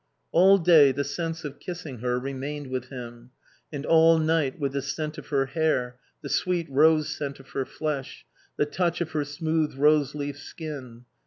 All day the sense of kissing her remained with him, and all night, with the scent of her hair, the sweet rose scent of her flesh, the touch of her smooth rose leaf skin.